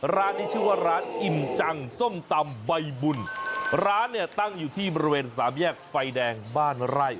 ร้านนี้ชื่อว่าร้านอิ่มจังส้มตำใบบุญร้านเนี่ยตั้งอยู่ที่บริเวณสามแยกไฟแดงบ้านไร่